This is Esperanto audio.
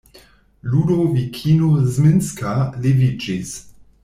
Ludovikino Zminska leviĝis.